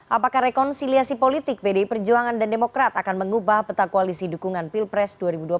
apakah rekonsiliasi politik pdi perjuangan dan demokrat akan mengubah peta koalisi dukungan pilpres dua ribu dua puluh empat